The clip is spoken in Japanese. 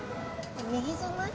右じゃない？